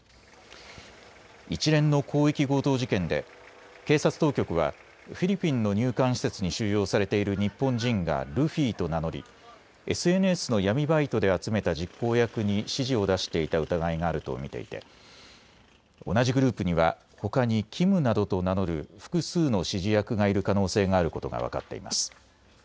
一連の広域強盗事件で警察当局はフィリピンの入管施設に収容されている日本人がルフィと名乗りＳＮＳの闇バイトで集めた実行役に指示を出していた疑いがあると見ていて同じグループにはほかにキムなどと名乗る複数の指示役がいる可能性があることが分かっています。